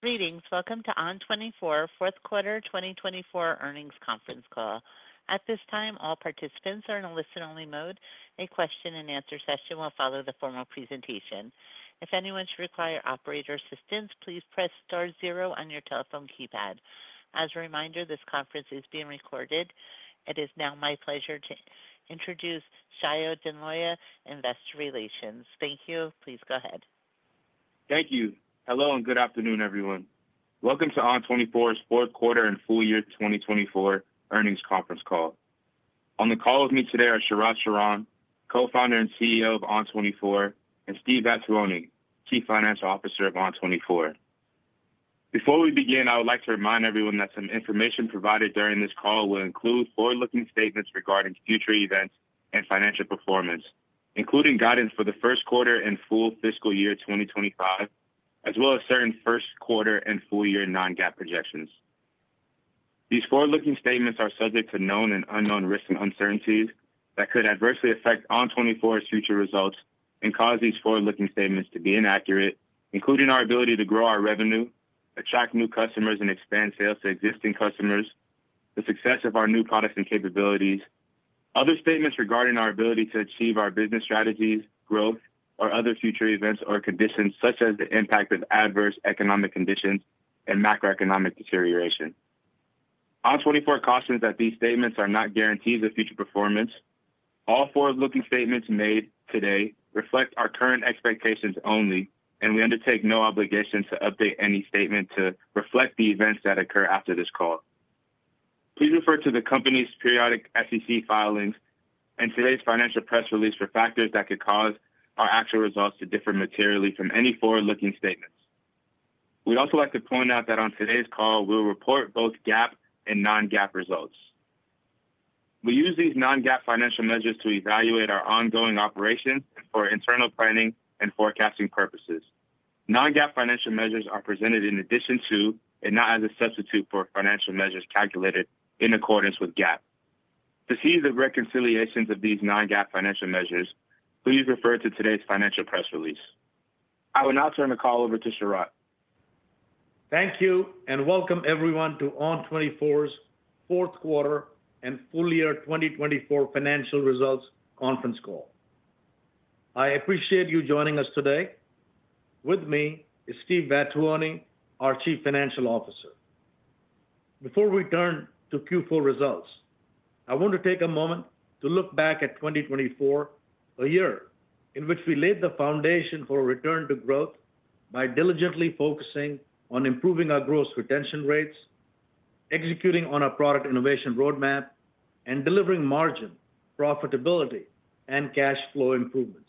Greetings. Welcome to ON24, fourth quarter 2024 earnings conference call. At this time, all participants are in a listen-only mode. A question-and-answer session will follow the formal presentation. If anyone should require operator assistance, please press star zero on your telephone keypad. As a reminder, this conference is being recorded. It is now my pleasure to introduce Sayo Denloye, Investor Relations. Thank you. Please go ahead. Thank you. Hello and good afternoon, everyone. Welcome to ON24's fourth quarter and full year 2024 earnings conference call. On the call with me today are Sharat Sharan, Co-Founder and CEO of ON24, and Steve Vattuone, Chief Financial Officer of ON24. Before we begin, I would like to remind everyone that some information provided during this call will include forward-looking statements regarding future events and financial performance, including guidance for the first quarter and full fiscal year 2025, as well as certain first quarter and full year non-GAAP projections. These forward-looking statements are subject to known and unknown risks and uncertainties that could adversely affect ON24's future results and cause these forward-looking statements to be inaccurate, including our ability to grow our revenue, attract new customers, and expand sales to existing customers, the success of our new products and capabilities, other statements regarding our ability to achieve our business strategies, growth, or other future events or conditions, such as the impact of adverse economic conditions and macroeconomic deterioration. ON24 cautions that these statements are not guarantees of future performance. All forward-looking statements made today reflect our current expectations only, and we undertake no obligations to update any statement to reflect the events that occur after this call. Please refer to the company's periodic SEC filings and today's financial press release for factors that could cause our actual results to differ materially from any forward-looking statements. We'd also like to point out that on today's call, we'll report both GAAP and non-GAAP results. We use these non-GAAP financial measures to evaluate our ongoing operations for internal planning and forecasting purposes. Non-GAAP financial measures are presented in addition to, and not as a substitute for, financial measures calculated in accordance with GAAP. To see the reconciliations of these non-GAAP financial measures, please refer to today's financial press release. I will now turn the call over to Sharat. Thank you and welcome everyone to ON24's fourth quarter and full year 2024 financial results conference call. I appreciate you joining us today. With me is Steve Vattuone, our Chief Financial Officer. Before we turn to Q4 results, I want to take a moment to look back at 2024, a year in which we laid the foundation for a return to growth by diligently focusing on improving our gross retention rates, executing on our product innovation roadmap, and delivering margin, profitability, and cash flow improvements.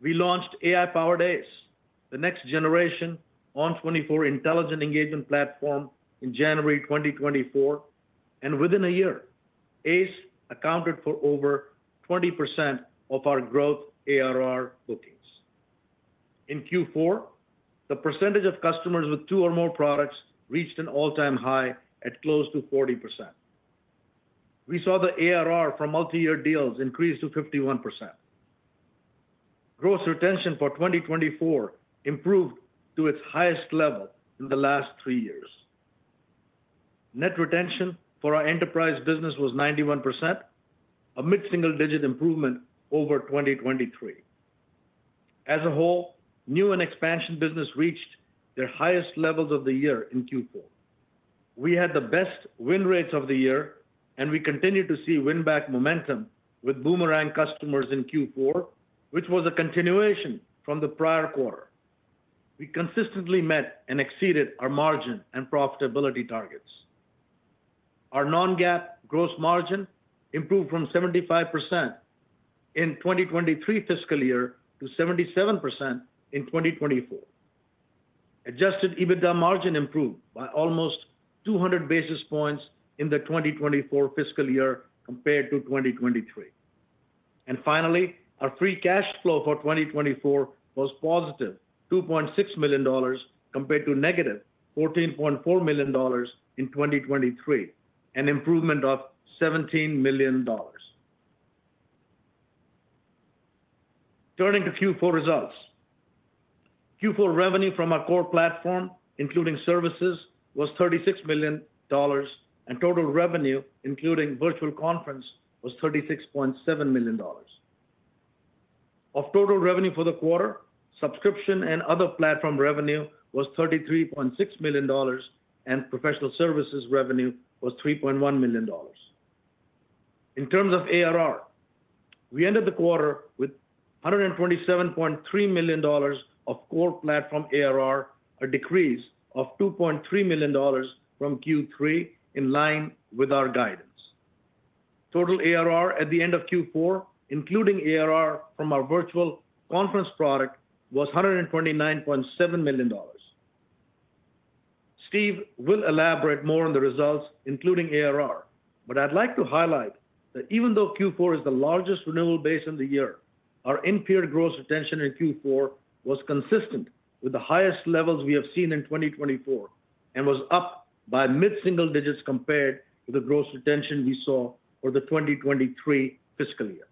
We launched AI-powered ACE, the next generation ON24 Intelligent Engagement Platform, in January 2024, and within a year, ACE accounted for over 20% of our growth ARR bookings. In Q4, the percentage of customers with two or more products reached an all-time high at close to 40%. We saw the ARR for multi-year deals increase to 51%. Gross retention for 2024 improved to its highest level in the last three years. Net retention for our enterprise business was 91%, a mid-single-digit improvement over 2023. As a whole, new and expansion business reached their highest levels of the year in Q4. We had the best win rates of the year, and we continue to see win-back momentum with boomerang customers in Q4, which was a continuation from the prior quarter. We consistently met and exceeded our margin and profitability targets. Our non-GAAP gross margin improved from 75% in 2023 fiscal year to 77% in 2024. Adjusted EBITDA margin improved by almost 200 basis points in the 2024 fiscal year compared to 2023. Finally, our free cash flow for 2024 was positive, $2.6 million, compared to -$14.4 million in 2023, an improvement of $17 million. Turning to Q4 results, Q4 revenue from our core platform, including services, was $36 million, and total revenue, including Virtual Conference, was $36.7 million. Of total revenue for the quarter, subscription and other platform revenue was $33.6 million, and professional services revenue was $3.1 million. In terms of ARR, we ended the quarter with $127.3 million of core platform ARR, a decrease of $2.3 million from Q3, in line with our guidance. Total ARR at the end of Q4, including ARR from our Virtual Conference product, was $129.7 million. Steve will elaborate more on the results, including ARR, but I'd like to highlight that even though Q4 is the largest renewal base in the year, our in-period gross retention in Q4 was consistent with the highest levels we have seen in 2024 and was up by mid-single digits compared to the gross retention we saw for the 2023 fiscal year.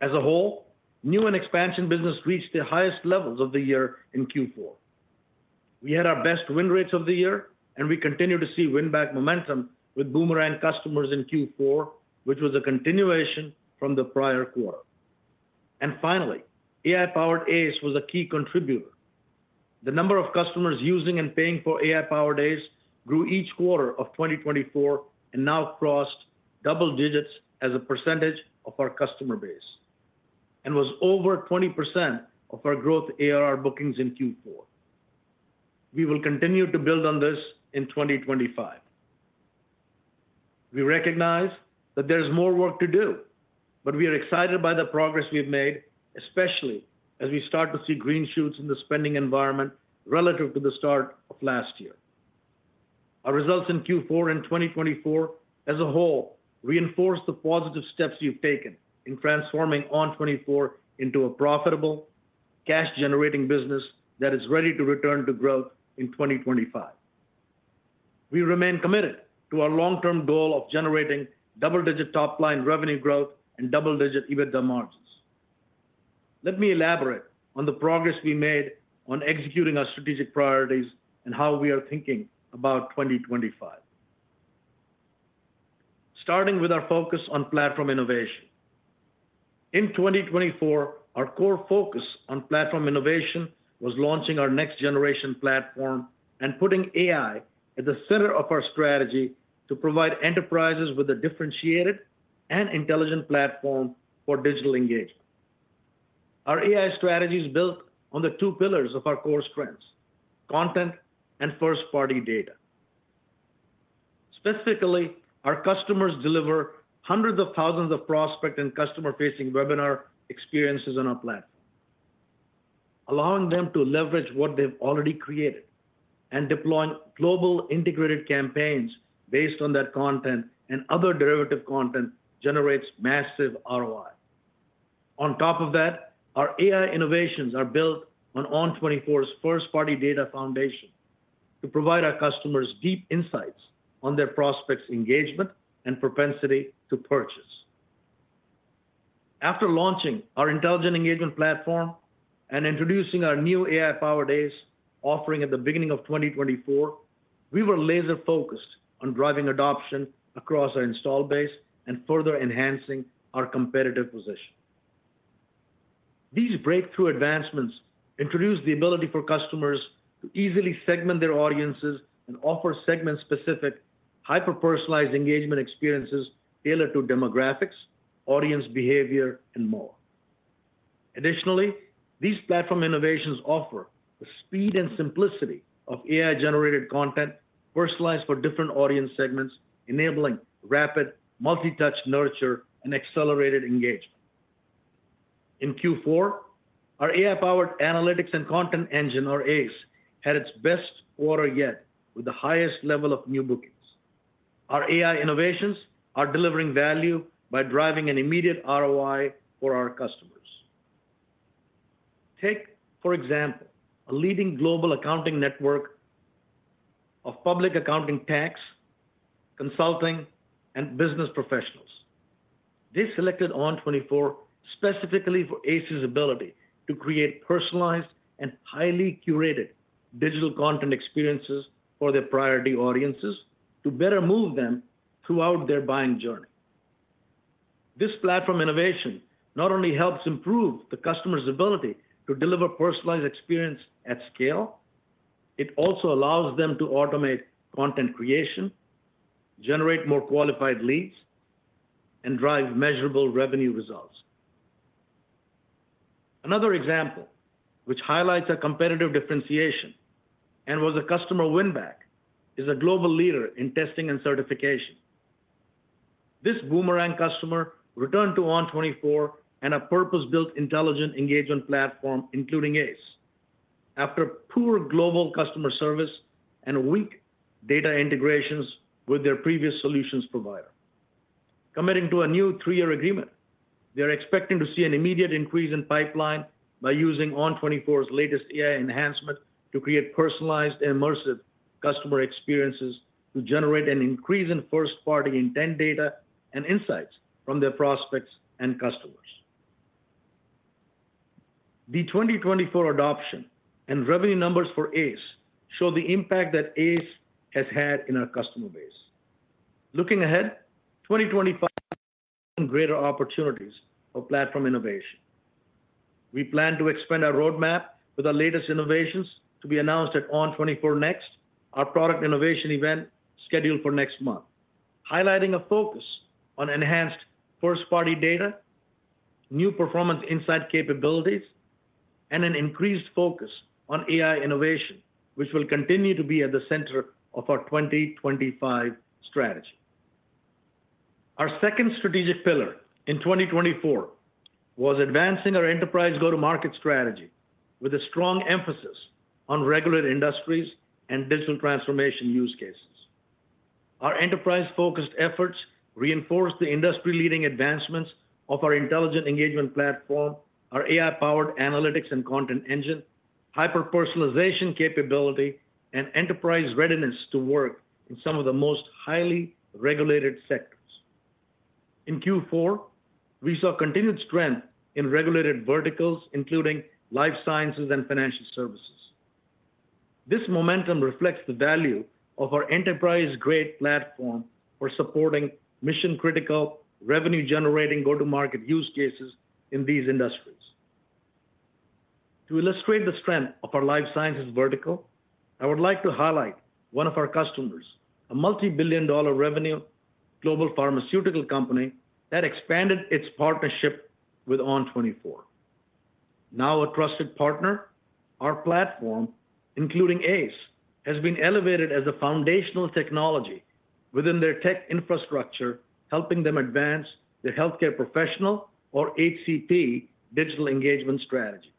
As a whole, new and expansion business reached their highest levels of the year in Q4. We had our best win rates of the year, and we continue to see win-back momentum with boomerang customers in Q4, which was a continuation from the prior quarter. Finally, AI-powered ACE was a key contributor. The number of customers using and paying for AI-powered ACE grew each quarter of 2024 and now crossed double digits as a percentage of our customer base and was over 20% of our growth ARR bookings in Q4. We will continue to build on this in 2025. We recognize that there is more work to do, but we are excited by the progress we've made, especially as we start to see green shoots in the spending environment relative to the start of last year. Our results in Q4 and 2024, as a whole, reinforce the positive steps we've taken in transforming ON24 into a profitable, cash-generating business that is ready to return to growth in 2025. We remain committed to our long-term goal of generating double-digit top-line revenue growth and double-digit EBITDA margins. Let me elaborate on the progress we made on executing our strategic priorities and how we are thinking about 2025. Starting with our focus on platform innovation. In 2024, our core focus on platform innovation was launching our next-generation platform and putting AI at the center of our strategy to provide enterprises with a differentiated and intelligent platform for digital engagement. Our AI strategy is built on the two pillars of our core strengths: content and first-party data. Specifically, our customers deliver hundreds of thousands of prospect and customer-facing webinar experiences on our platform, allowing them to leverage what they've already created and deploying global integrated campaigns based on that content and other derivative content generates massive ROI. On top of that, our AI innovations are built on ON24's first-party data foundation to provide our customers deep insights on their prospect's engagement and propensity to purchase. After launching our intelligent engagement platform and introducing our new AI-powered ACE offering at the beginning of 2024, we were laser-focused on driving adoption across our install base and further enhancing our competitive position. These breakthrough advancements introduced the ability for customers to easily segment their audiences and offer segment-specific, hyper-personalized engagement experiences tailored to demographics, audience behavior, and more. Additionally, these platform innovations offer the speed and simplicity of AI-generated content personalized for different audience segments, enabling rapid multi-touch nurture and accelerated engagement. In Q4, our AI-powered ACE had its best quarter yet with the highest level of new bookings. Our AI innovations are delivering value by driving an immediate ROI for our customers. Take, for example, a leading global accounting network of public accounting tax, consulting, and business professionals. They selected ON24 specifically for ACE's ability to create personalized and highly curated digital content experiences for their priority audiences to better move them throughout their buying journey. This platform innovation not only helps improve the customer's ability to deliver personalized experience at scale, it also allows them to automate content creation, generate more qualified leads, and drive measurable revenue results. Another example which highlights our competitive differentiation and was a customer win-back is a global leader in testing and certification. This boomerang customer returned to ON24 and a purpose-built intelligent engagement platform, including ACE, after poor global customer service and weak data integrations with their previous solutions provider. Committing to a new three-year agreement, they are expecting to see an immediate increase in pipeline by using ON24's latest AI enhancement to create personalized and immersive customer experiences to generate an increase in first-party intent data and insights from their prospects and customers. The 2024 adoption and revenue numbers for ACE show the impact that ACE has had in our customer base. Looking ahead, 2025 will bring greater opportunities for platform innovation. We plan to expand our roadmap with our latest innovations to be announced at ON24 Next, our product innovation event scheduled for next month, highlighting a focus on enhanced first-party data, new performance insight capabilities, and an increased focus on AI innovation, which will continue to be at the center of our 2025 strategy. Our second strategic pillar in 2024 was advancing our enterprise go-to-market strategy with a strong emphasis on regulated industries and digital transformation use cases. Our enterprise-focused efforts reinforced the industry-leading advancements of our intelligent engagement platform, our AI-powered analytics and content engine, hyper-personalization capability, and enterprise readiness to work in some of the most highly regulated sectors. In Q4, we saw continued strength in regulated verticals, including life sciences and financial services. This momentum reflects the value of our enterprise-grade platform for supporting mission-critical, revenue-generating go-to-market use cases in these industries. To illustrate the strength of our life sciences vertical, I would like to highlight one of our customers, a multi-billion dollar revenue global pharmaceutical company that expanded its partnership with ON24. Now a trusted partner, our platform, including ACE, has been elevated as a foundational technology within their tech infrastructure, helping them advance their healthcare professional or HCP digital engagement strategy.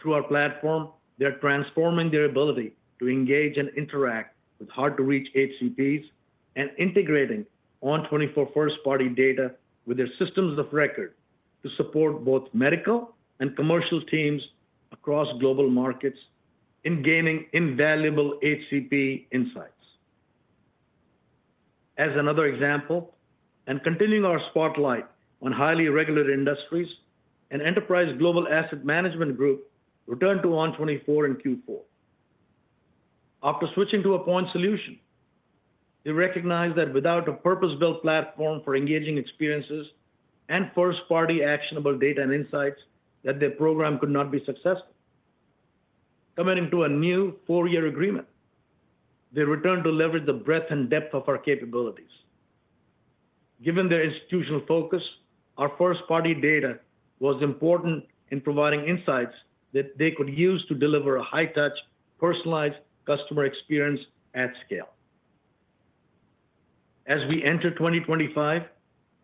Through our platform, they are transforming their ability to engage and interact with hard-to-reach HCPs and integrating ON24 first-party data with their systems of record to support both medical and commercial teams across global markets in gaining invaluable HCP insights. As another example, and continuing our spotlight on highly regulated industries, an enterprise global asset management group returned to ON24 in Q4. After switching to a point solution, they recognized that without a purpose-built platform for engaging experiences and first-party actionable data and insights, their program could not be successful. Committing to a new four-year agreement, they returned to leverage the breadth and depth of our capabilities. Given their institutional focus, our first-party data was important in providing insights that they could use to deliver a high-touch, personalized customer experience at scale. As we enter 2025,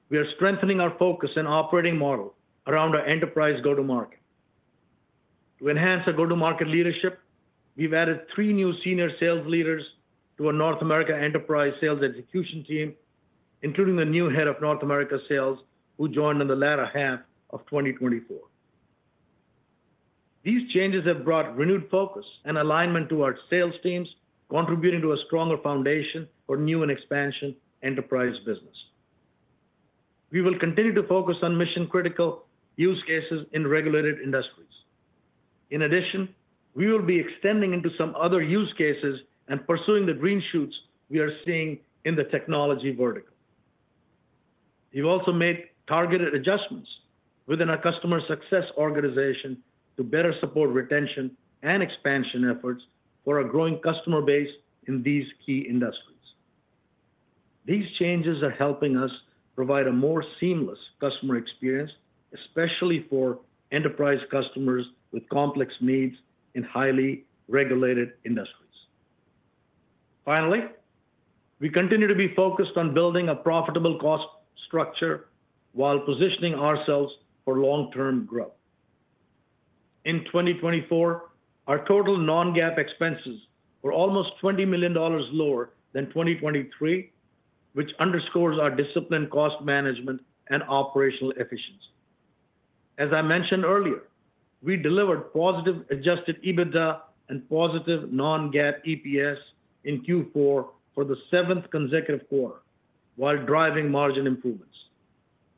we are strengthening our focus and operating model around our enterprise go-to-market. To enhance our go-to-market leadership, we have added three new senior sales leaders to our North America enterprise sales execution team, including the new Head of North America Sales, who joined in the latter half of 2024. These changes have brought renewed focus and alignment to our sales teams, contributing to a stronger foundation for new and expansion enterprise business. We will continue to focus on mission-critical use cases in regulated industries. In addition, we will be extending into some other use cases and pursuing the green shoots we are seeing in the technology vertical. We've also made targeted adjustments within our customer success organization to better support retention and expansion efforts for our growing customer base in these key industries. These changes are helping us provide a more seamless customer experience, especially for enterprise customers with complex needs in highly regulated industries. Finally, we continue to be focused on building a profitable cost structure while positioning ourselves for long-term growth. In 2024, our total non-GAAP expenses were almost $20 million lower than 2023, which underscores our disciplined cost management and operational efficiency. As I mentioned earlier, we delivered positive adjusted EBITDA and positive non-GAAP EPS in Q4 for the seventh consecutive quarter while driving margin improvements.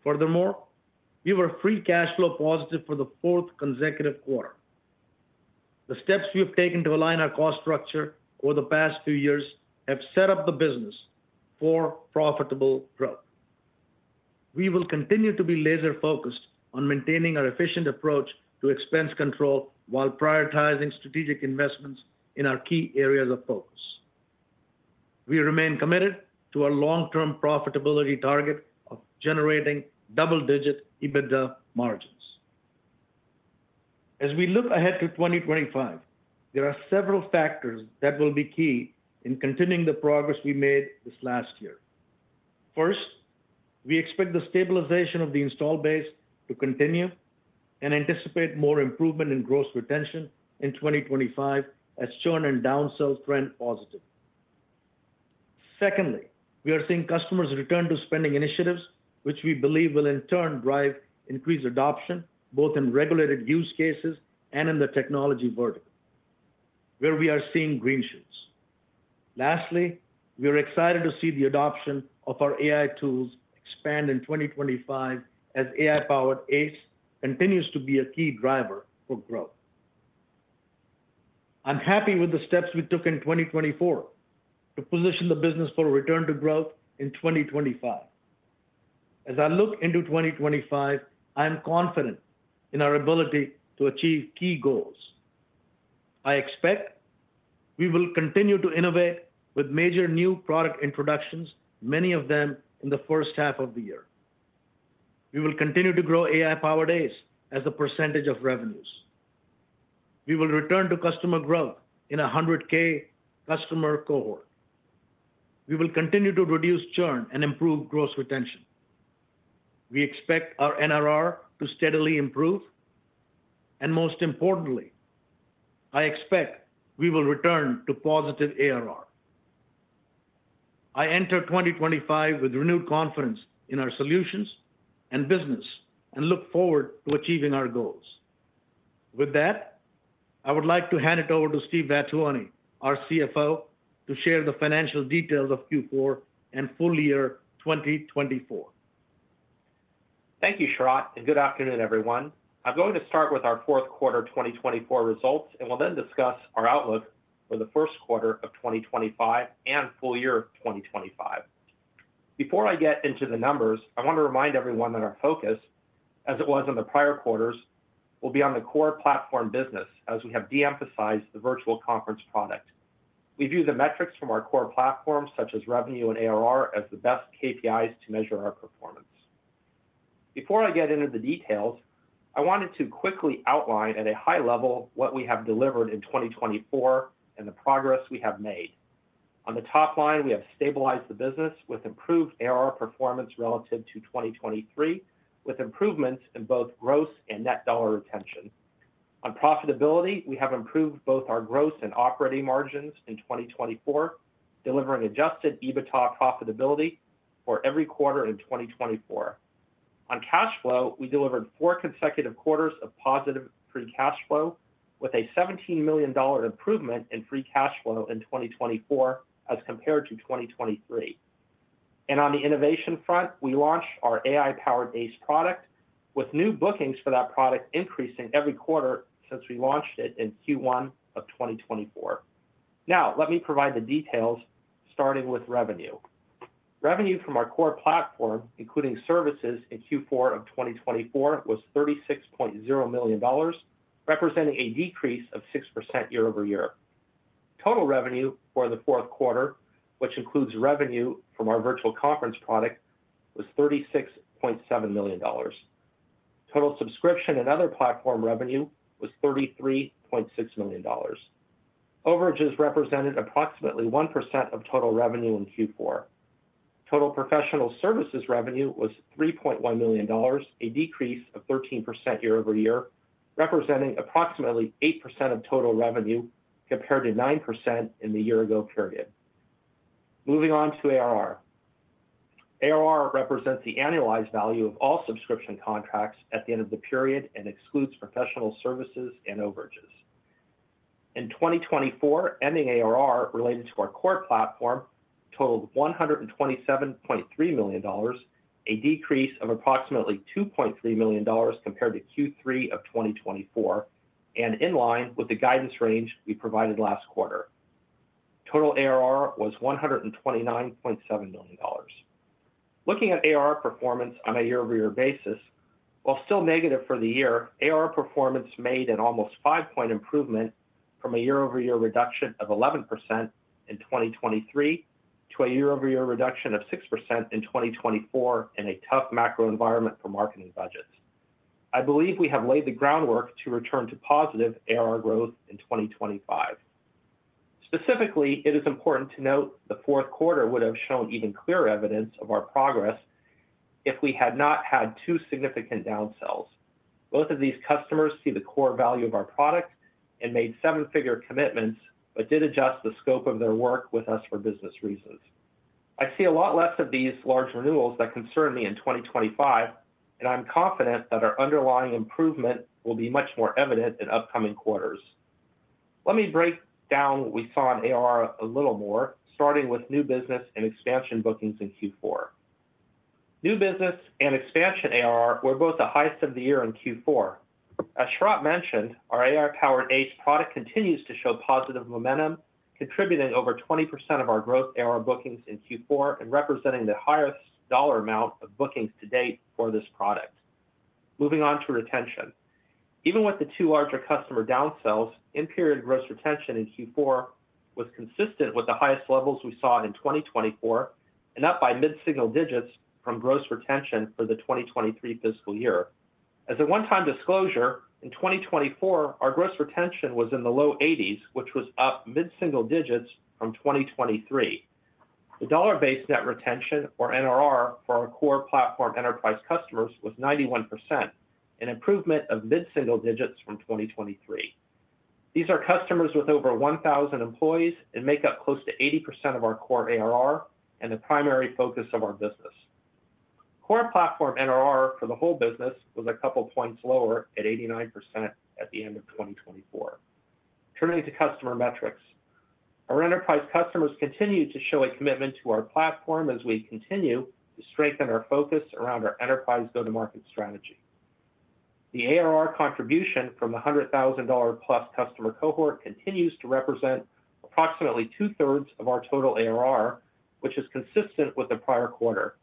Furthermore, we were free cash flow positive for the fourth consecutive quarter. The steps we have taken to align our cost structure over the past few years have set up the business for profitable growth. We will continue to be laser-focused on maintaining our efficient approach to expense control while prioritizing strategic investments in our key areas of focus. We remain committed to our long-term profitability target of generating double-digit EBITDA margins. As we look ahead to 2025, there are several factors that will be key in continuing the progress we made this last year. First, we expect the stabilization of the install base to continue and anticipate more improvement in gross retention in 2025 as churn and downsell trend positive. Secondly, we are seeing customers return to spending initiatives, which we believe will in turn drive increased adoption both in regulated use cases and in the technology vertical, where we are seeing green shoots. Lastly, we are excited to see the adoption of our AI tools expand in 2025 as AI-powered ACE continues to be a key driver for growth. I'm happy with the steps we took in 2024 to position the business for return to growth in 2025. As I look into 2025, I am confident in our ability to achieve key goals. I expect we will continue to innovate with major new product introductions, many of them in the first half of the year. We will continue to grow AI-powered ACE as a percentage of revenues. We will return to customer growth in a 100,000 customer cohort. We will continue to reduce churn and improve gross retention. We expect our NRR to steadily improve. Most importantly, I expect we will return to positive ARR. I enter 2025 with renewed confidence in our solutions and business and look forward to achieving our goals. With that, I would like to hand it over to Steve Vattuone, our CFO, to share the financial details of Q4 and full year 2024. Thank you, Sharat. Good afternoon, everyone. I'm going to start with our fourth quarter 2024 results, and we'll then discuss our outlook for the first quarter of 2025 and full year 2025. Before I get into the numbers, I want to remind everyone that our focus, as it was in the prior quarters, will be on the core platform business as we have de-emphasized the Virtual Conference product. We view the metrics from our core platform, such as revenue and ARR, as the best KPIs to measure our performance. Before I get into the details, I wanted to quickly outline at a high level what we have delivered in 2024 and the progress we have made. On the top line, we have stabilized the business with improved ARR performance relative to 2023, with improvements in both gross and net dollar retention. On profitability, we have improved both our gross and operating margins in 2024, delivering adjusted EBITDA profitability for every quarter in 2024. On cash flow, we delivered four consecutive quarters of positive free cash flow, with a $17 million improvement in free cash flow in 2024 as compared to 2023. On the innovation front, we launched our AI-powered ACE product, with new bookings for that product increasing every quarter since we launched it in Q1 of 2024. Now, let me provide the details, starting with revenue. Revenue from our core platform, including services in Q4 of 2024, was $36.0 million, representing a decrease of 6% year over year. Total revenue for the fourth quarter, which includes revenue from our Virtual Conference product, was $36.7 million. Total subscription and other platform revenue was $33.6 million. Overages represented approximately 1% of total revenue in Q4. Total professional services revenue was $3.1 million, a decrease of 13% year over year, representing approximately 8% of total revenue compared to 9% in the year-ago period. Moving on to ARR. ARR represents the annualized value of all subscription contracts at the end of the period and excludes professional services and overages. In 2024, ending ARR related to our core platform totaled $127.3 million, a decrease of approximately $2.3 million compared to Q3 of 2024, and in line with the guidance range we provided last quarter. Total ARR was $129.7 million. Looking at ARR performance on a year-over-year basis, while still negative for the year, ARR performance made an almost five-point improvement from a year-over-year reduction of 11% in 2023 to a year-over-year reduction of 6% in 2024 in a tough macro environment for marketing budgets. I believe we have laid the groundwork to return to positive ARR growth in 2025. Specifically, it is important to note the fourth quarter would have shown even clearer evidence of our progress if we had not had two significant downsells. Both of these customers see the core value of our product and made seven-figure commitments, but did adjust the scope of their work with us for business reasons. I see a lot less of these large renewals that concern me in 2025, and I'm confident that our underlying improvement will be much more evident in upcoming quarters. Let me break down what we saw in ARR a little more, starting with new business and expansion bookings in Q4. New business and expansion ARR were both the highest of the year in Q4. As Sharat mentioned, our AI-powered ACE product continues to show positive momentum, contributing over 20% of our gross ARR bookings in Q4 and representing the highest dollar amount of bookings to date for this product. Moving on to retention. Even with the two larger customer downsells, end-period gross retention in Q4 was consistent with the highest levels we saw in 2024, and up by mid-single digits from gross retention for the 2023 fiscal year. As a one-time disclosure, in 2024, our gross retention was in the low 80%s, which was up mid-single digits from 2023. The dollar-based net retention, or NRR, for our core platform enterprise customers was 91%, an improvement of mid-single digits from 2023. These are customers with over 1,000 employees and make up close to 80% of our core ARR and the primary focus of our business. Core platform NRR for the whole business was a couple of points lower at 89% at the end of 2024. Turning to customer metrics, our enterprise customers continue to show a commitment to our platform as we continue to strengthen our focus around our enterprise go-to-market strategy. The ARR contribution from the $100,000+ customer cohort continues to represent approximately two-thirds of our total ARR, which is consistent with the prior quarter.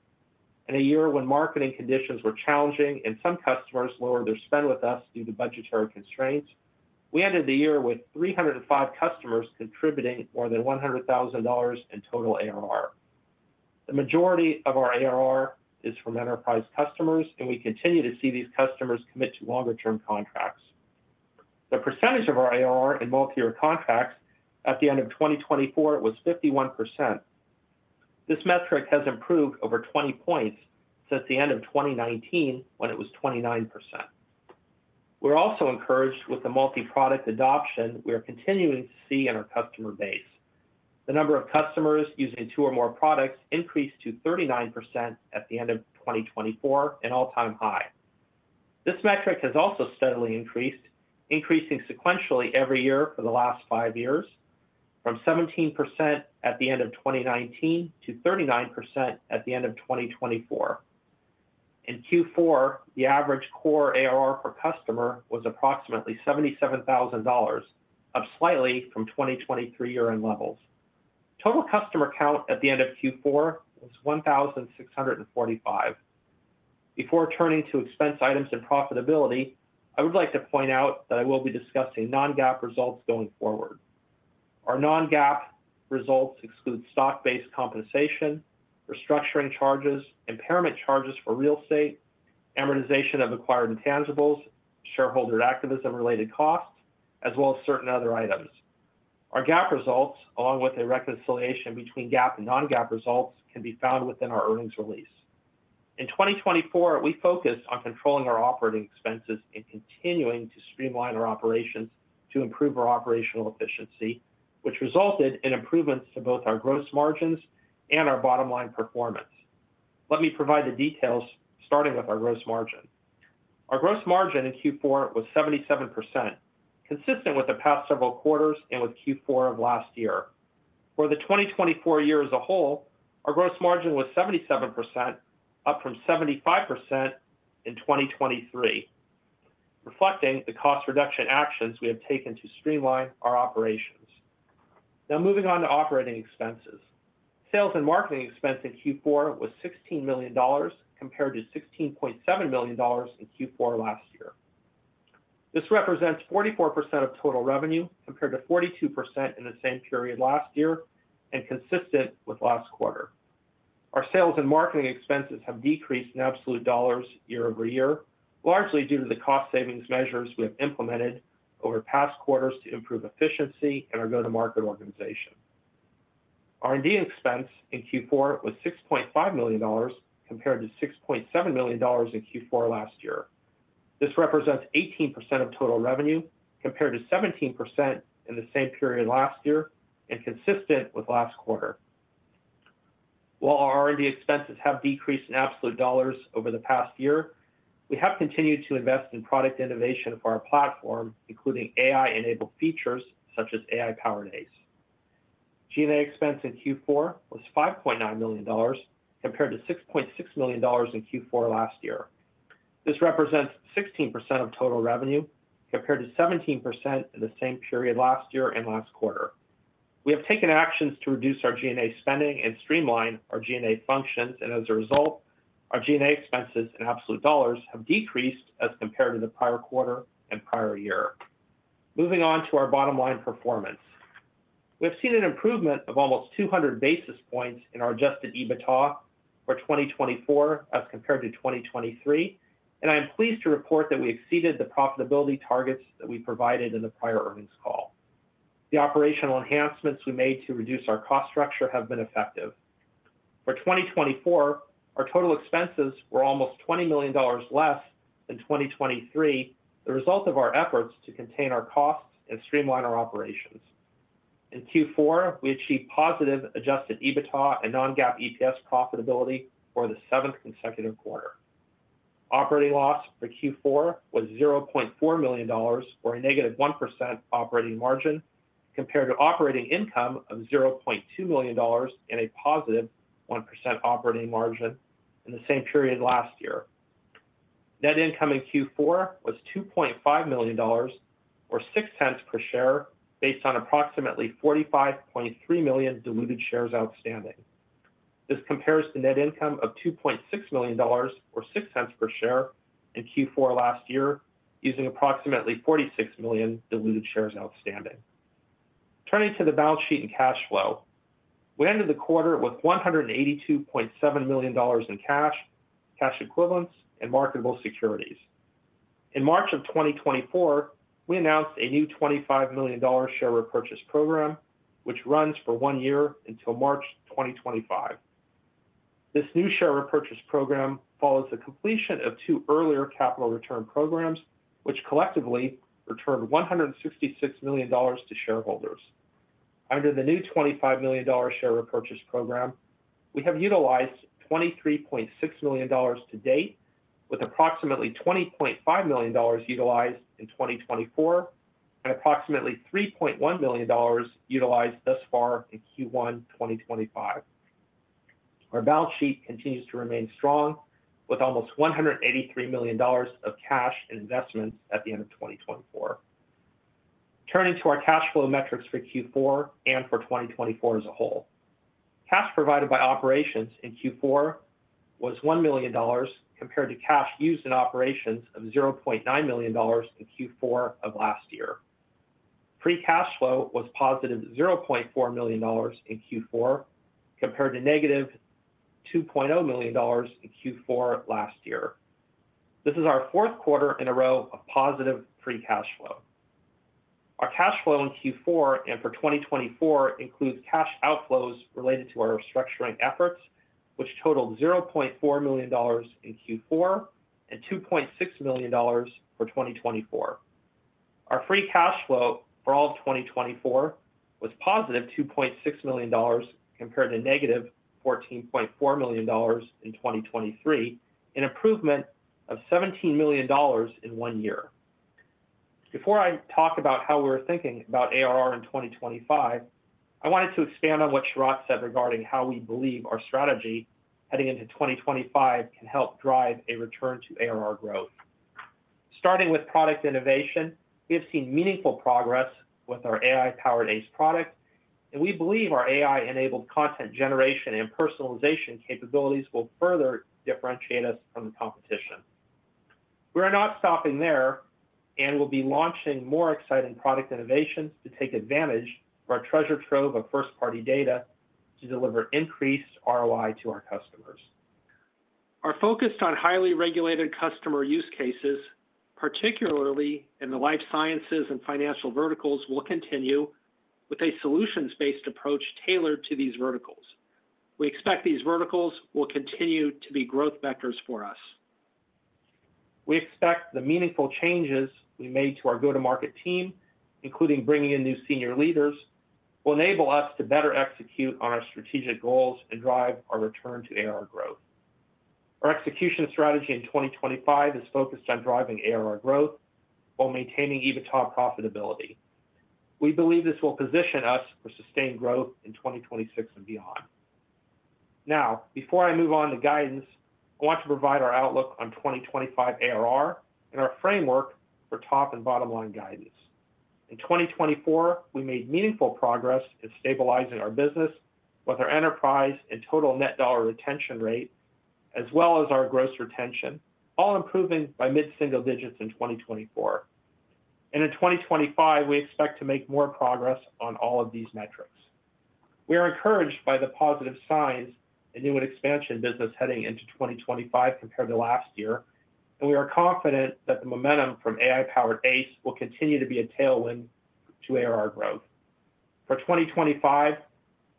In a year when marketing conditions were challenging and some customers lowered their spend with us due to budgetary constraints, we ended the year with 305 customers contributing more than $100,000 in total ARR. The majority of our ARR is from enterprise customers, and we continue to see these customers commit to longer-term contracts. The percentage of our ARR in multi-year contracts at the end of 2024 was 51%. This metric has improved over 20 percentage points since the end of 2019, when it was 29%. We're also encouraged with the multi-product adoption we are continuing to see in our customer base. The number of customers using two or more products increased to 39% at the end of 2024, an all-time high. This metric has also steadily increased, increasing sequentially every year for the last five years, from 17% at the end of 2019 to 39% at the end of 2024. In Q4, the average core ARR per customer was approximately $77,000, up slightly from 2023 year-end levels. Total customer count at the end of Q4 was 1,645. Before turning to expense items and profitability, I would like to point out that I will be discussing non-GAAP results going forward. Our non-GAAP results exclude stock-based compensation, restructuring charges, impairment charges for real estate, amortization of acquired intangibles, shareholder activism-related costs, as well as certain other items. Our GAAP results, along with a reconciliation between GAAP and non-GAAP results, can be found within our earnings release. In 2024, we focused on controlling our operating expenses and continuing to streamline our operations to improve our operational efficiency, which resulted in improvements to both our gross margins and our bottom-line performance. Let me provide the details, starting with our gross margin. Our gross margin in Q4 was 77%, consistent with the past several quarters and with Q4 of last year. For the 2024 year as a whole, our gross margin was 77%, up from 75% in 2023, reflecting the cost reduction actions we have taken to streamline our operations. Now, moving on to operating expenses. Sales and marketing expense in Q4 was $16 million compared to $16.7 million in Q4 last year. This represents 44% of total revenue compared to 42% in the same period last year and consistent with last quarter. Our sales and marketing expenses have decreased in absolute dollars year over year, largely due to the cost savings measures we have implemented over past quarters to improve efficiency and our go-to-market organization. R&D expense in Q4 was $6.5 million compared to $6.7 million in Q4 last year. This represents 18% of total revenue compared to 17% in the same period last year and consistent with last quarter. While our R&D expenses have decreased in absolute dollars over the past year, we have continued to invest in product innovation for our platform, including AI-enabled features such as AI-powered ACE. G&A expense in Q4 was $5.9 million compared to $6.6 million in Q4 last year. This represents 16% of total revenue compared to 17% in the same period last year and last quarter. We have taken actions to reduce our G&A spending and streamline our G&A functions, and as a result, our G&A expenses in absolute dollars have decreased as compared to the prior quarter and prior year. Moving on to our bottom-line performance. We have seen an improvement of almost 200 basis points in our adjusted EBITDA for 2024 as compared to 2023, and I am pleased to report that we exceeded the profitability targets that we provided in the prior earnings call. The operational enhancements we made to reduce our cost structure have been effective. For 2024, our total expenses were almost $20 million less than 2023, the result of our efforts to contain our costs and streamline our operations. In Q4, we achieved positive adjusted EBITDA and non-GAAP EPS profitability for the seventh consecutive quarter. Operating loss for Q4 was $0.4 million, or a -1% operating margin, compared to operating income of $0.2 million and a +1% operating margin in the same period last year. Net income in Q4 was $2.5 million, or $0.06 per share, based on approximately 45.3 million diluted shares outstanding. This compares to net income of $2.6 million, or $0.06 per share, in Q4 last year, using approximately 46 million diluted shares outstanding. Turning to the balance sheet and cash flow, we ended the quarter with $182.7 million in cash, cash equivalents, and marketable securities. In March of 2024, we announced a new $25 million share repurchase program, which runs for one year until March 2025. This new share repurchase program follows the completion of two earlier capital return programs, which collectively returned $166 million to shareholders. Under the new $25 million share repurchase program, we have utilized $23.6 million to date, with approximately $20.5 million utilized in 2024 and approximately $3.1 million utilized thus far in Q1 2025. Our balance sheet continues to remain strong, with almost $183 million of cash and investments at the end of 2024. Turning to our cash flow metrics for Q4 and for 2024 as a whole. Cash provided by operations in Q4 was $1 million compared to cash used in operations of $0.9 million in Q4 of last year. Free cash flow was +$0.4 million in Q4 compared to -$2.0 million in Q4 last year. This is our fourth quarter in a row of positive free cash flow. Our cash flow in Q4 and for 2024 includes cash outflows related to our restructuring efforts, which totaled $0.4 million in Q4 and $2.6 million for 2024. Our free cash flow for all of 2024 was +$2.6 million compared to -$14.4 million in 2023, an improvement of $17 million in one year. Before I talk about how we're thinking about ARR in 2025, I wanted to expand on what Sharat said regarding how we believe our strategy heading into 2025 can help drive a return to ARR growth. Starting with product innovation, we have seen meaningful progress with our AI-powered ACE product, and we believe our AI-enabled content generation and personalization capabilities will further differentiate us from the competition. We are not stopping there and will be launching more exciting product innovations to take advantage of our treasure trove of first-party data to deliver increased ROI to our customers. Our focus on highly regulated customer use cases, particularly in the life sciences and financial verticals, will continue with a solutions-based approach tailored to these verticals. We expect these verticals will continue to be growth vectors for us. We expect the meaningful changes we made to our go-to-market team, including bringing in new senior leaders, will enable us to better execute on our strategic goals and drive our return to ARR growth. Our execution strategy in 2025 is focused on driving ARR growth while maintaining EBITDA profitability. We believe this will position us for sustained growth in 2026 and beyond. Now, before I move on to guidance, I want to provide our outlook on 2025 ARR and our framework for top and bottom-line guidance. In 2024, we made meaningful progress in stabilizing our business with our enterprise and total net dollar retention rate, as well as our gross retention, all improving by mid-single digits in 2024. In 2025, we expect to make more progress on all of these metrics. We are encouraged by the positive signs in new and expansion business heading into 2025 compared to last year, and we are confident that the momentum from AI-powered ACE will continue to be a tailwind to ARR growth. For 2025,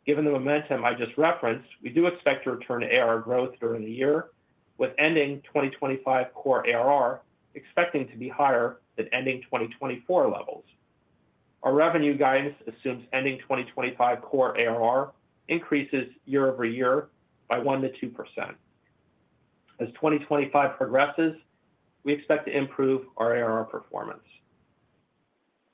given the momentum I just referenced, we do expect to return to ARR growth during the year, with ending 2025 core ARR expecting to be higher than ending 2024 levels. Our revenue guidance assumes ending 2025 core ARR increases year over year by 1%-2%. As 2025 progresses, we expect to improve our ARR performance.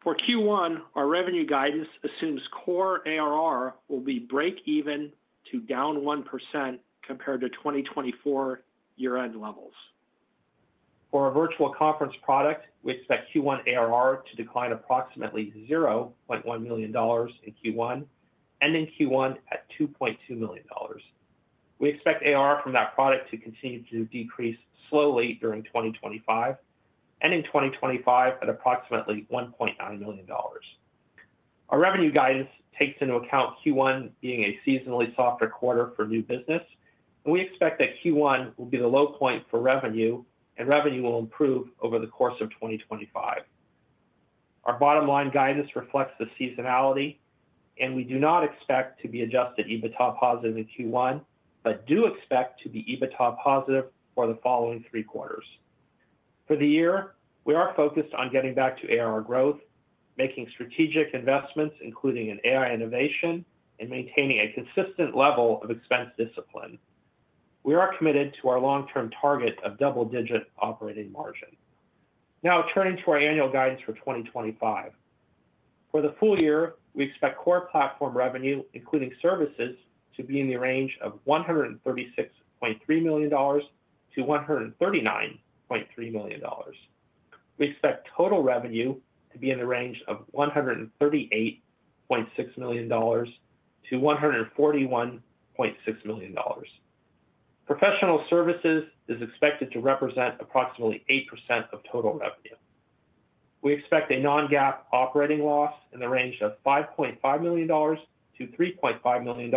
For Q1, our revenue guidance assumes core ARR will be break-even to down 1% compared to 2024 year-end levels. For our Virtual Conference product, we expect Q1 ARR to decline approximately $0.1 million in Q1 and in Q1 at $2.2 million. We expect ARR from that product to continue to decrease slowly during 2025 and in 2025 at approximately $1.9 million. Our revenue guidance takes into account Q1 being a seasonally softer quarter for new business, and we expect that Q1 will be the low point for revenue, and revenue will improve over the course of 2025. Our bottom-line guidance reflects the seasonality, and we do not expect to be adjusted EBITDA positive in Q1, but do expect to be EBITDA positive for the following three quarters. For the year, we are focused on getting back to ARR growth, making strategic investments, including in AI innovation, and maintaining a consistent level of expense discipline. We are committed to our long-term target of double-digit operating margin. Now, turning to our annual guidance for 2025. For the full year, we expect core platform revenue, including services, to be in the range of $136.3 million-$139.3 million. We expect total revenue to be in the range of $138.6 million-$141.6 million. Professional services is expected to represent approximately 8% of total revenue. We expect a non-GAAP operating loss in the range of $5.5 million-$3.5 million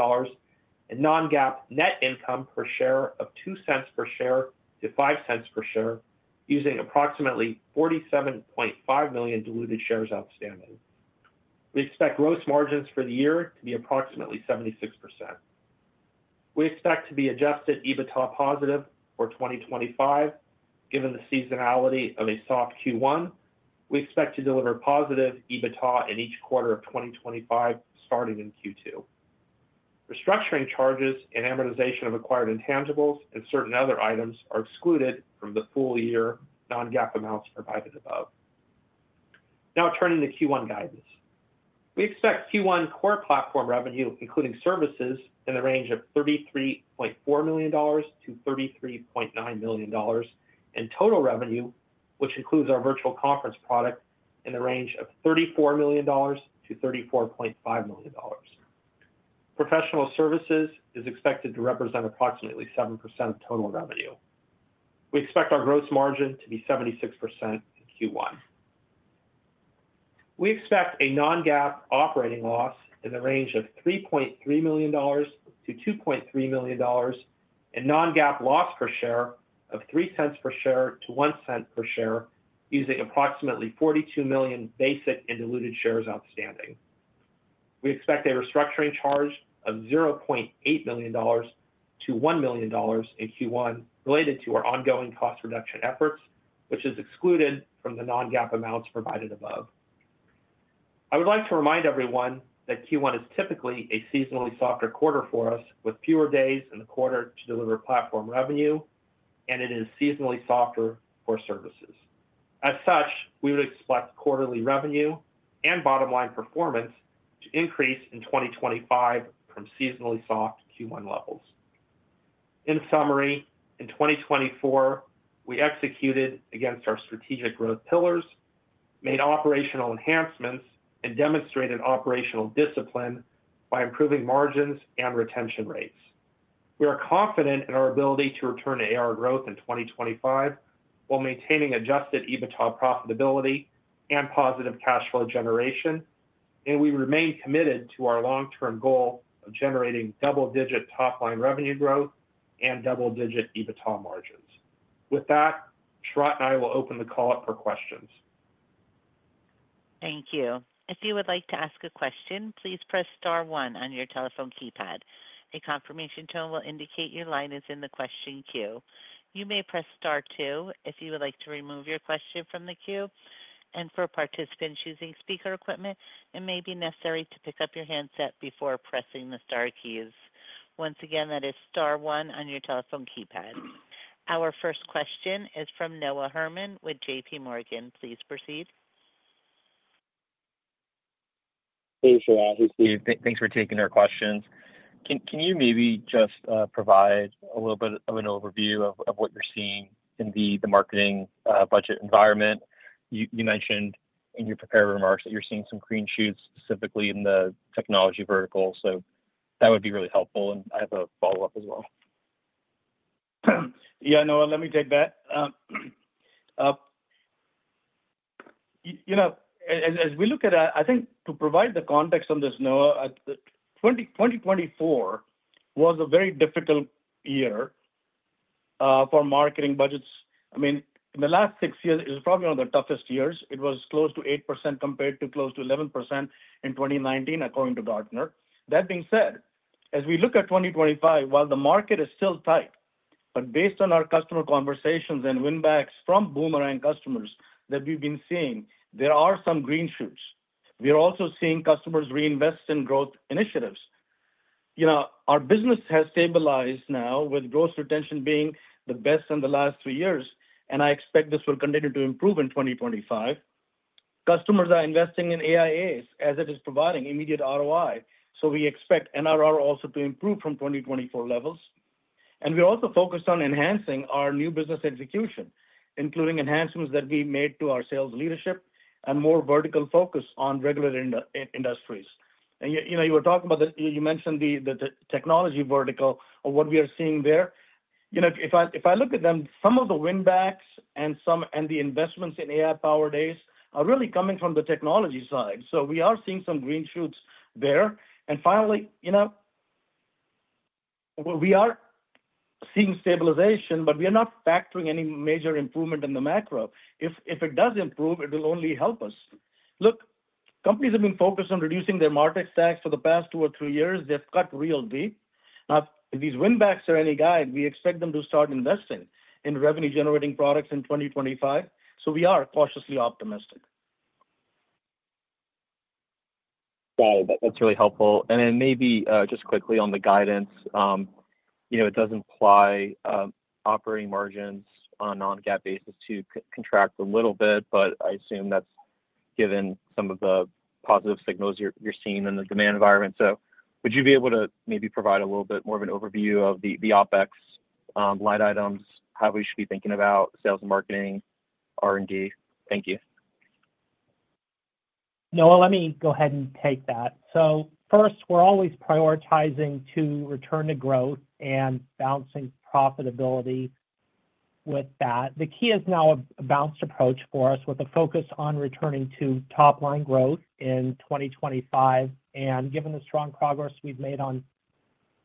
and non-GAAP net income per share of $0.02 per share-$0.05 per share, using approximately 47.5 million diluted shares outstanding. We expect gross margins for the year to be approximately 76%. We expect to be adjusted EBITDA positive for 2025, given the seasonality of a soft Q1. We expect to deliver positive EBITDA in each quarter of 2025 starting in Q2. Restructuring charges and amortization of acquired intangibles and certain other items are excluded from the full year non-GAAP amounts provided above. Now, turning to Q1 guidance. We expect Q1 core platform revenue, including services, in the range of $33.4 million-$33.9 million and total revenue, which includes our Virtual Conference product, in the range of $34 million-$34.5 million. Professional services is expected to represent approximately 7% of total revenue. We expect our gross margin to be 76% in Q1. We expect a non-GAAP operating loss in the range of $3.3 million-$2.3 million and non-GAAP loss per share of $0.03 per share-$0.01 per share, using approximately 42 million basic and diluted shares outstanding. We expect a restructuring charge of $0.8 million-$1 million in Q1 related to our ongoing cost reduction efforts, which is excluded from the non-GAAP amounts provided above. I would like to remind everyone that Q1 is typically a seasonally softer quarter for us, with fewer days in the quarter to deliver platform revenue, and it is seasonally softer for services. As such, we would expect quarterly revenue and bottom-line performance to increase in 2025 from seasonally soft Q1 levels. In summary, in 2024, we executed against our strategic growth pillars, made operational enhancements, and demonstrated operational discipline by improving margins and retention rates. We are confident in our ability to return to ARR growth in 2025 while maintaining adjusted EBITDA profitability and positive cash flow generation, and we remain committed to our long-term goal of generating double-digit top-line revenue growth and double-digit EBITDA margins. With that, Sharat and I will open the call up for questions. Thank you. If you would like to ask a question, please press star one on your telephone keypad. A confirmation tone will indicate your line is in the question queue. You may press star two if you would like to remove your question from the queue. For participants using speaker equipment, it may be necessary to pick up your handset before pressing the star keys. Once again, that is star one on your telephone keypad. Our first question is from Noah Herman with JPMorgan. Please proceed. Thanks, Sharat. Thanks for taking our questions. Can you maybe just provide a little bit of an overview of what you're seeing in the marketing budget environment? You mentioned in your prepared remarks that you're seeing some green shoots specifically in the technology vertical, so that would be really helpful, and I have a follow-up as well. Yeah, Noah, let me take that. As we look at that, I think to provide the context on this, Noah, 2024 was a very difficult year for marketing budgets. I mean, in the last six years, it was probably one of the toughest years. It was close to 8% compared to close to 11% in 2019, according to Gartner. That being said, as we look at 2025, while the market is still tight, based on our customer conversations and win-backs from boomerang customers that we've been seeing, there are some green shoots. We're also seeing customers reinvest in growth initiatives. Our business has stabilized now, with gross retention being the best in the last three years, and I expect this will continue to improve in 2025. Customers are investing in AIAs as it is providing immediate ROI, so we expect NRR also to improve from 2024 levels. We are also focused on enhancing our new business execution, including enhancements that we made to our sales leadership and more vertical focus on regular industries. You were talking about that, you mentioned the technology vertical or what we are seeing there. If I look at them, some of the win-backs and the investments in AI-powered ACE are really coming from the technology side. We are seeing some green shoots there. Finally, we are seeing stabilization, but we are not factoring any major improvement in the macro. If it does improve, it will only help us. Look, companies have been focused on reducing their market stacks for the past two or three years. They have cut real deep. Now, if these win-backs are any guide, we expect them to start investing in revenue-generating products in 2025. We are cautiously optimistic. Got it. That's really helpful. Maybe just quickly on the guidance, it does imply operating margins on a non-GAAP basis to contract a little bit, but I assume that's given some of the positive signals you're seeing in the demand environment. Would you be able to maybe provide a little bit more of an overview of the OpEx line items, how we should be thinking about sales and marketing, R&D? Thank you. Noah, let me go ahead and take that. First, we're always prioritizing to return to growth and balancing profitability with that. The key is now a balanced approach for us with a focus on returning to top-line growth in 2025. Given the strong progress we've made on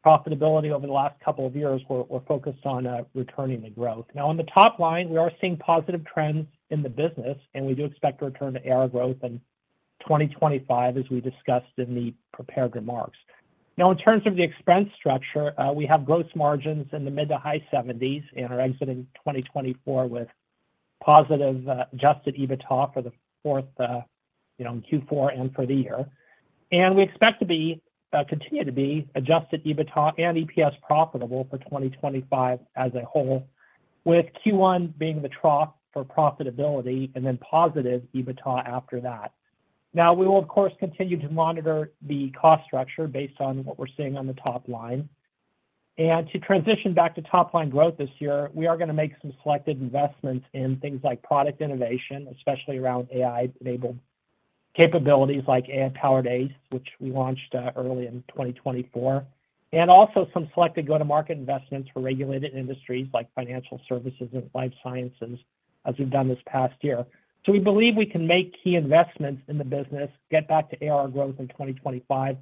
profitability over the last couple of years, we're focused on returning to growth. Now, on the top line, we are seeing positive trends in the business, and we do expect to return to ARR growth in 2025, as we discussed in the prepared remarks. Now, in terms of the expense structure, we have gross margins in the mid to high 70% and are exiting 2024 with positive adjusted EBITDA for the fourth in Q4 and for the year. We expect to continue to be adjusted EBITDA and EPS profitable for 2025 as a whole, with Q1 being the trough for profitability and then positive EBITDA after that. Now, we will, of course, continue to monitor the cost structure based on what we're seeing on the top line. To transition back to top-line growth this year, we are going to make some selected investments in things like product innovation, especially around AI-enabled capabilities like AI-powered ACE, which we launched early in 2024, and also some selected go-to-market investments for regulated industries like financial services and life sciences, as we have done this past year. We believe we can make key investments in the business, get back to ARR growth in 2025,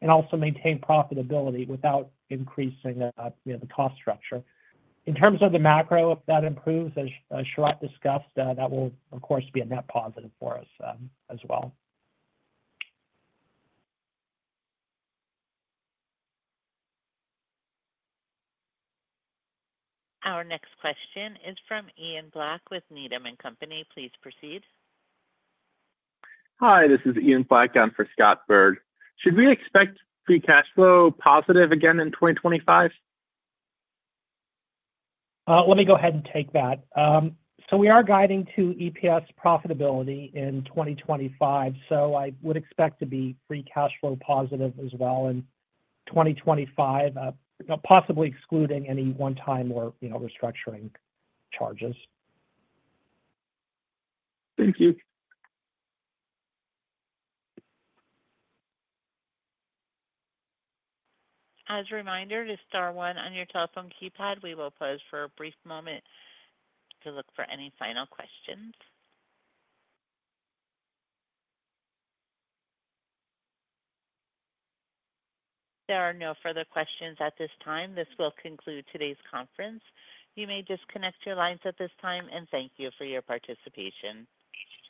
and also maintain profitability without increasing the cost structure.In terms of the macro, if that improves, as Sharat discussed, that will, of course, be a net positive for us as well. Our next question is from Ian Black with Needham & Company. Please proceed. Hi, this is Ian Black down for Scott Berg. Should we expect free cash flow positive again in 2025? Let me go ahead and take that. We are guiding to EPS profitability in 2025, so I would expect to be free cash flow positive as well in 2025, possibly excluding any one-time or restructuring charges. Thank you. As a reminder, to star one on your telephone keypad, we will pause for a brief moment to look for any final questions. There are no further questions at this time. This will conclude today's conference. You may disconnect your lines at this time, and thank you for your participation.